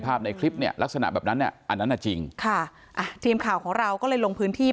ภาพในคลิปนี้ลักษณะแบบนั้นอ่ะอันนั้นน่ะจริงหะอาทีมข่าวของเราก็เลยลงพื้นที่